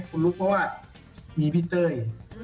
คนลุคก็ว่ามีพี่เต้ย